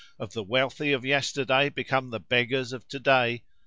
of the wealthy of yesterday become the beggars of to day?